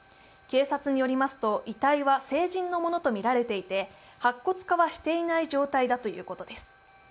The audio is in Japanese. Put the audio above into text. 警察によりますと遺体は成人のものとみられていて白骨化はしていない状態だということです。